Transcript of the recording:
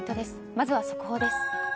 まずは速報です。